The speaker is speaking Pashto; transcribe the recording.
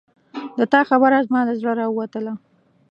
د تا خبره زما له زړه راووتله